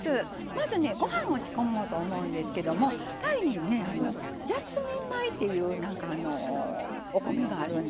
まずねご飯を仕込もうと思うんですけどもタイにジャスミン米っていうお米があるんですよね。